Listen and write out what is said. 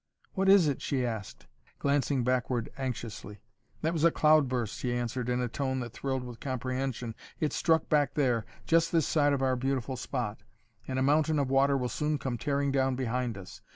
"What is it?" she asked, glancing backward anxiously. "That was a cloudburst," he answered in a tone that thrilled with comprehension. "It struck back there, just this side of our beautiful spot, and a mountain of water will soon come tearing down behind us.